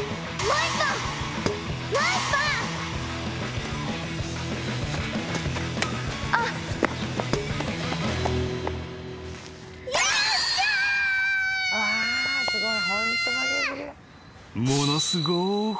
［ものすごく］